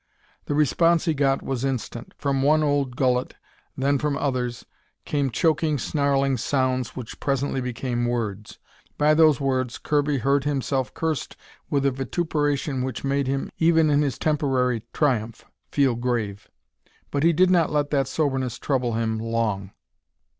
The response he got was instant. From one old gullet, then from others, came choking, snarling sounds which presently became words. By those words Kirby heard himself cursed with a vituperation which made him, even in his temporary triumph, feel grave. But he did not let that soberness trouble him long.